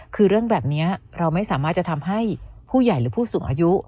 คือเรื่องแบบนี้เราไม่สามารถจะทำให้ผู้ใหญ่หรือผู้สูงอายุ